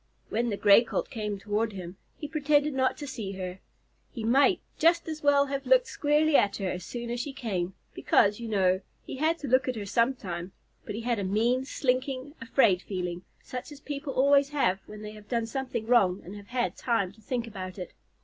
When the Gray Colt came toward him, he pretended not to see her. He might just as well have looked squarely at her as soon as she came, because, you know, he had to look at her sometime, but he had a mean, slinking, afraid feeling, such as people always have when they have done something wrong and have had time to think about it.